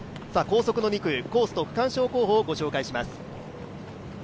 高速の２区、コースと区間賞候補をご紹介します。